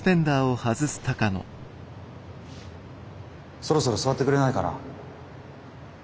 そろそろ座ってくれないかな？